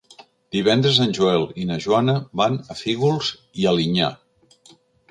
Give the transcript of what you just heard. Divendres en Joel i na Joana van a Fígols i Alinyà.